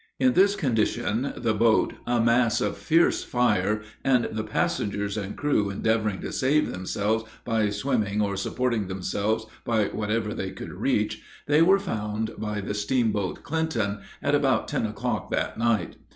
In this condition, the boat, a mass of fierce fire, and the passengers and crew endeavoring to save themselves by swimming or supporting themselves by whatever they could reach, they were found by the steamboat Clinton, at about ten o'clock that night.